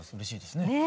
ねえ。